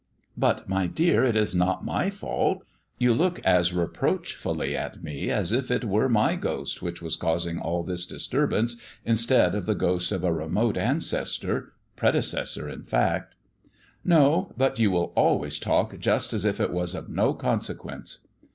"But, my dear, it is not my fault. You look as reproachfully at me as if it were my ghost which was causing all this disturbance instead of the ghost of a remote ancestor predecessor, in fact." "No, but you will always talk just as if it was of no consequence."